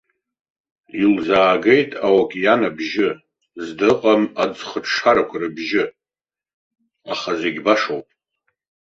Илзаагеит аокеан абжьы, зда ыҟам аӡхыҽҽарақәа рыбжьы, аха зегьы башоуп.